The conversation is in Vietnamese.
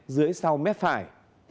dưới sau mép phải